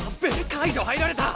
解除入られた！